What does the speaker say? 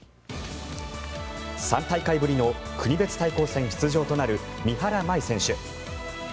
３大会ぶりの国別対抗戦出場となる三原舞依選手。